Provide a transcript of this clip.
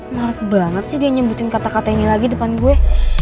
males banget sih dia nyebutin kata kata ini lagi depan gue